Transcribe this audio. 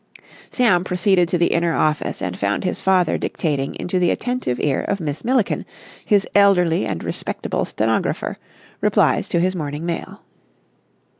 Sam proceeded to the inner office, and found his father dictating into the attentive ear of Miss Milliken, his elderly and respectable stenographer, replies to his morning mail.